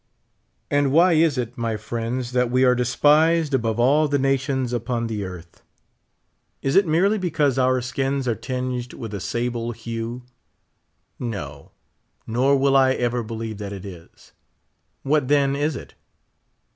And why is it, my friends, that we are despised above all the nations upon the earth ? Is it merely because our skins are tinged with a sable hue ? No, noi^will I ever believe that it is. What then is it